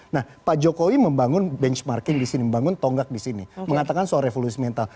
nah pak jokowi membangun benchmarking di sini membangun tonggak di sini mengatakan soal revolusi mental